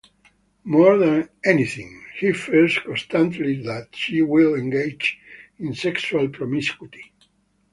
More than anything, he fears constantly that she will engage in sexual promiscuity.